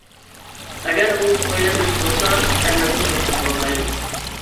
ئەگەر ئۇ ئۆيلەنمەكچى بولسا، ئەلۋەتتە خوتۇن ئالالمايدۇ.